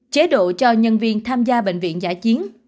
chế độ cho nhân viên tham gia bệnh viện giả chiến